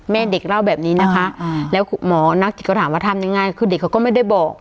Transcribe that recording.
แม่เด็กเล่าแบบนี้นะคะแล้วหมอนักจิตก็ถามว่าทำยังไงคือเด็กเขาก็ไม่ได้บอก